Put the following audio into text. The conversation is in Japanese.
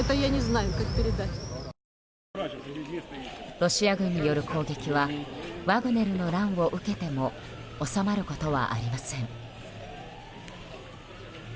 ロシア軍による攻撃はワグネルの乱を受けても収まることはありません。